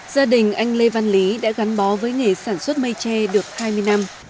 gia đình anh lê văn lý đã gắn bó với nghề sản xuất mây tre được hai mươi năm